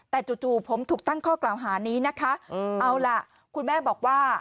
แต่จู่ผมถูกตั้งข้อกล่าวหานี้นะคะเอาล่ะคุณแม่บอกว่า